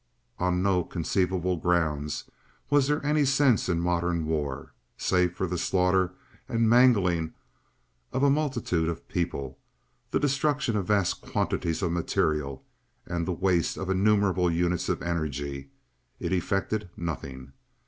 On no conceivable grounds was there any sense in modern war. Save for the slaughter and mangling of a multitude of people, the destruction of vast quantities of material, and the waste of innumerable units of energy, it effected nothing.